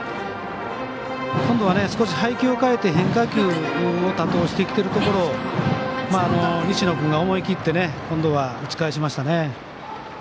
今度は少し配球を変えて変化球を多投してきているところを西野君が思い切って今度は打ち返しましたね。